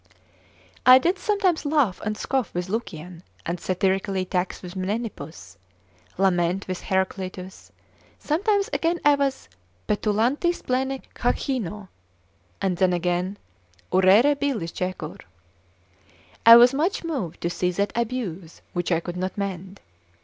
I did sometime laugh and scoff with Lucian, and satirically tax with Menippus, lament with Heraclitus, sometimes again I was petulanti splene chachinno, and then again, urere bilis jecur, I was much moved to see that abuse which I could not mend.